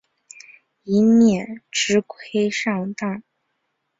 以免吃亏上当